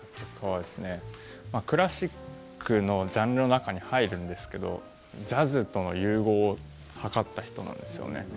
クラシックのジャンルの中に入るんですけれどジャズとの融合を図った人なんですよね。